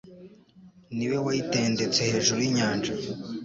Ni we wayitendetse hejuru y’inyanja